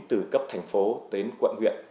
từ cấp thành phố đến quận huyện